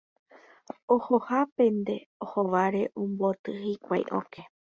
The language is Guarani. Ohohápente hóvare omboty hikuái okẽ.